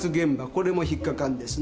これも引っ掛かるんですね。